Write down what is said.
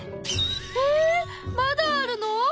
えっまだあるの？